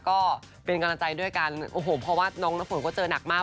ก็เป็นกำลังใจด้วยกันโอ้โหเพราะว่าน้องน้ำฝนก็เจอหนักมาก